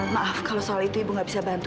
maaf kalau soal itu ibu nggak bisa bantu